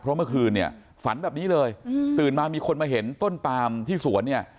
เพราะเมื่อคืนเนี่ยฝันแบบนี้เลยตื่นมามีคนมาเห็นต้นปามที่สวนเนี่ย